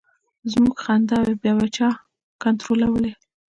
زمونږ خنداوې به بیا چا کنټرولولې.